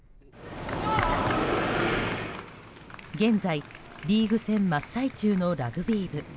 現在、リーグ戦真っ最中のラグビー部。